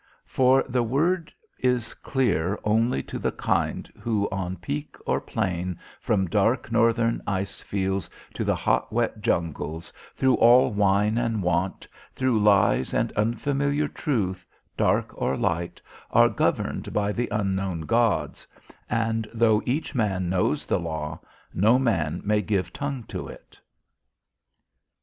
For the word is clear only to the kind who on peak or plain, from dark northern ice fields to the hot wet jungles, through all wine and want, through lies and unfamiliar truth, dark or light, are governed by the unknown gods, and though each man knows the law, no man may give tongue to it.